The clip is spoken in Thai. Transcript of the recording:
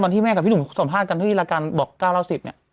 ตอนที่แม่กับพี่หนุ่มสัมภาษณ์กันที่ราการบอกเก้าแล้วสิบเนี่ย